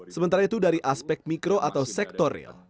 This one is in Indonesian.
sementara itu dari aspek mikro atau sektorial